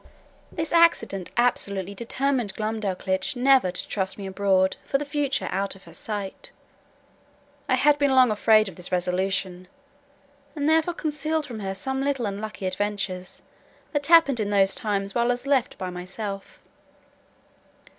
This accident absolutely determined Glumdalclitch never to trust me abroad for the future out of her sight. I had been long afraid of this resolution, and therefore concealed from her some little unlucky adventures, that happened in those times when I was left by myself.